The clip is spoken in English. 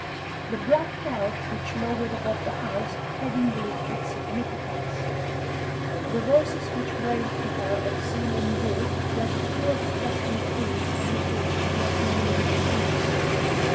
The black cloud which lowered above the house had indeed its significance; the voices which wailed to her of sin and woe were the true expression of things amid which she had been moving unconsciously.